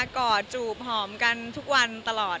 กอดจูบหอมกันทุกวันตลอด